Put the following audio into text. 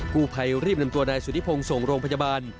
ผู้ภัยรีบนำตัวนายสุธิพงศ์ส่งโรงพยาบาล